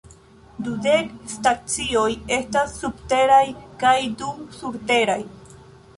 Dudek stacioj estas subteraj kaj du surteraj.